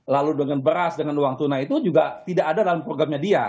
lalu dengan beras dengan uang tunai itu juga tidak ada dalam programnya dia